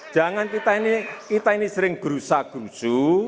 jangan kita ini sering gerusa gerusu